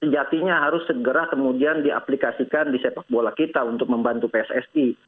sejatinya harus segera kemudian diaplikasikan di sepak bola kita untuk membantu pssi